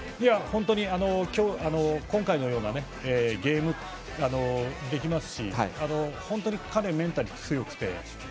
本当に今回のようなゲームができますし本当に彼はメンタルが強くて。